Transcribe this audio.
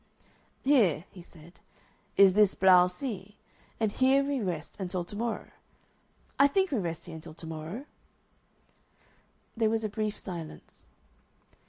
"Here," he said, "is this Blau See, and here we rest until to morrow. I think we rest here until to morrow?" There was a brief silence.